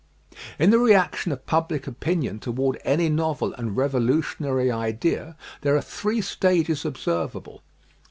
In the reaction of public opinion toward any novel and revolutionary idea there are three stages observ able.